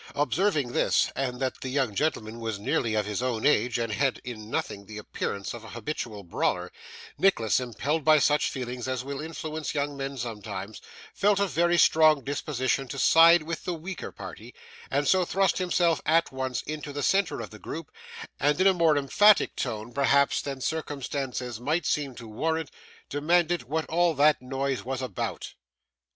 Observing this, and that the young gentleman was nearly of his own age and had in nothing the appearance of an habitual brawler, Nicholas, impelled by such feelings as will influence young men sometimes, felt a very strong disposition to side with the weaker party, and so thrust himself at once into the centre of the group, and in a more emphatic tone, perhaps, than circumstances might seem to warrant, demanded what all that noise was about.